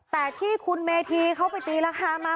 แต่ที่คุณเมธีเขาไปตีราคามา